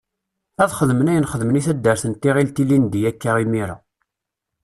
Ad xedmen ayen xedmen i taddart n Tiɣilt ilindi akka imira.